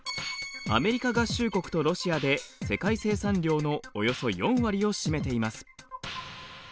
アメリカ合衆国とロシアで世界生産量のおよそ４割を占めています。